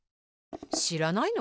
しらないの？